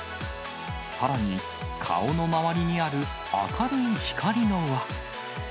さらに、顔の周りにある明るい光の輪。